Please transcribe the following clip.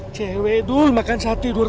cewek dul makan satu